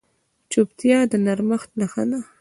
چوپتیا، د نرمښت نښه ده.